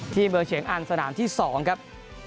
ที่เบอร์เฉียงอันสนามที่๒ครับ